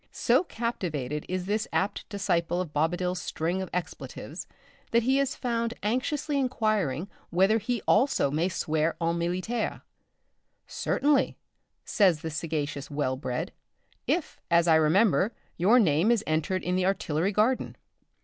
So captivated is this apt disciple with Bobadil's string of expletives, that he is found anxiously inquiring whether he also may swear en militaire. "Certainly," says the sagacious Well bred, "if, as I remember, your name is entered in the Artillery Garden."